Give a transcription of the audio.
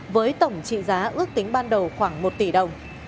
với tổng trị giá ước tính ban đầu khoảng một tỷ đồng